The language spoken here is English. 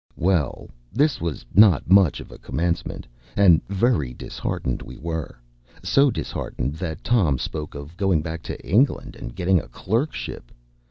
Well, this was not much of a commencement; and very disheartened we were, so disheartened that Tom spoke of going back to England and getting a clerkship.